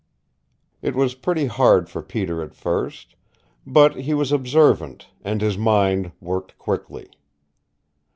It was pretty hard for Peter at first, but he was observant, and his mind worked quickly.